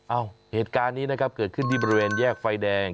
เอ้าเหตุการณ์นี้นะครับเกิดขึ้นที่บริเวณแยกไฟแดง